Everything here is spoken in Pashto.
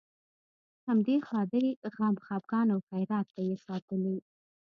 همدې ښادۍ، غم، خپګان او خیرات ته یې ساتلې.